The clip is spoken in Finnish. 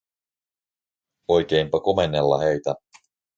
Oikeinpa komennella heitä.